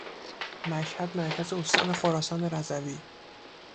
مشهد مرکز استان خراسان رضوی